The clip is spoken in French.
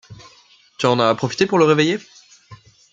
Tu en as profité pour le réveiller ?